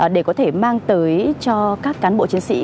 để có thể mang tới cho các cán bộ chiến sĩ